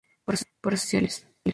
Procesos judiciales.